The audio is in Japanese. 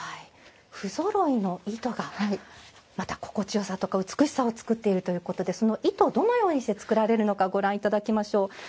不ぞろいの糸が、また心地よさとか美しさを作っているということでその糸、どのようにして作られるのかご覧いただきましょう。